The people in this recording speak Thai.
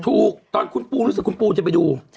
ตอนคุณปูรู้สึกคุณปูจะไปดู